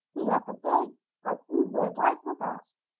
'The other day, when he rode out with us.